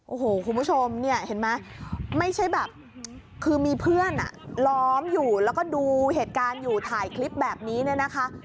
โอ้โหคุณผู้ชมเนี่ยเห็นไหมไม่ใช่แบบคือมีเพื่อนล้อมอยู่แล้วก็ดูเหตุการณ์อยู่ถ่ายคลิปแบบนี้เนี่ยนะคะ